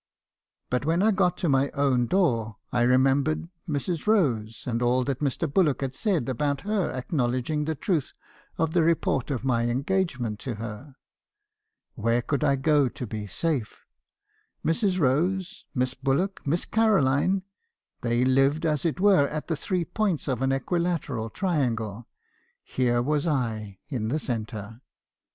But when I got to my own door, I remembered Mrs. Rose, and all that Mr. Bullock had said about her acknow ledging the truth of the report of my engagement to her. Where could I go to be safe? Mrs. Rose, Miss Bullock, Miss Caroline — they lived as it were at the three points of an equilateral triangle ; here was I in the centre.